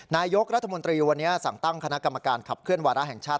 นายกรัฐมนตรีวันนี้สั่งตั้งคณะกรรมการขับเคลื่อนวาระแห่งชาติ